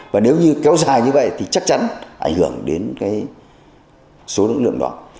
và nếu như kéo dài như vậy thì chắc chắn ảnh hưởng đến cái số lượng lượng đó